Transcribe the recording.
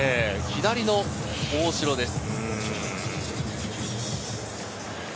左の大城です。